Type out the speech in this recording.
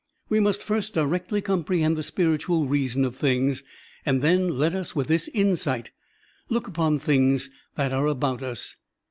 We must first directly comprehend the spir itual reason of things, and then let us with this insight look upon things that are about us.